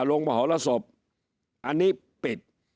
โหลงประหอลสบอันนี้ปิด